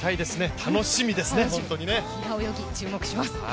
平泳ぎ、注目します。